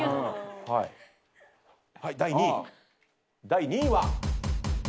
はい「第２位」第２位は。